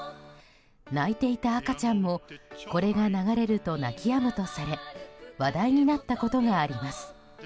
泣いていた赤ちゃんもこれが流れると泣き止むとされ話題になったことがあります。